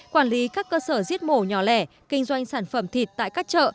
quản lý các cơ sở giết mổ nhỏ lẻ kinh doanh sản phẩm thịt tại các chợ